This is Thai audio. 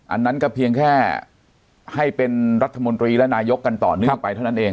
อันนั้นก็เพียงแค่ให้เป็นรัฐมนตรีและนายกกันต่อเนื่องไปเท่านั้นเอง